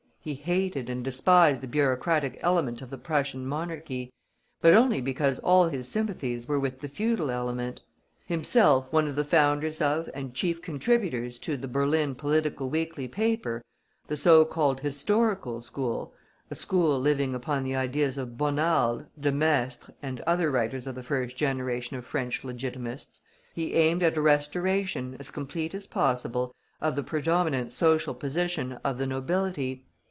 He hated and despised the bureaucratic element of the Prussian Monarchy, but only because all his sympathies were with the feudal element. Himself one of the founders of, and chief contributors to, the Berlin Political Weekly Paper, the so called Historical School (a school living upon the ideas of Bonald, De Maistre, and other writers of the first generation of French Legitimists), he aimed at a restoration, as complete as possible, of the predominant social position of the nobility.